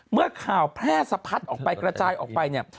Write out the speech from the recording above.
เมื่อข่าวแพร่สะพัดออกไปกระจายออกไปเนี่ย